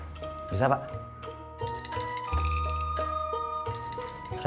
setelah itu saya harus ke rumah kang bahar